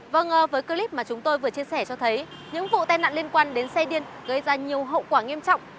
vâng với clip mà chúng tôi vừa chia sẻ cho thấy những vụ tai nạn liên quan đến xe điên gây ra nhiều hậu quả nghiêm trọng